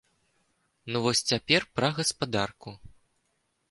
Ну вось цяпер пра гаспадарку.